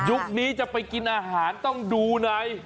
นี้จะไปกินอาหารต้องดูใน